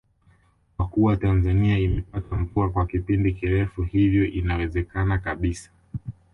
Kwa kuwa Tanzania imepata mvua kwa kipindi kirefu hivyo inawezekana kabisa